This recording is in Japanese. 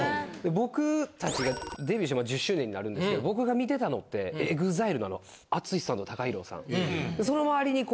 僕達がデビューして１０周年になるんですけど僕が見てたのってＥＸＩＬＥのＡＴＳＵＳＨＩさんとＴＡＫＡＨＩＲＯさん。